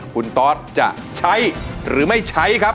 คุณตอสจะใช้หรือไม่ใช้ครับ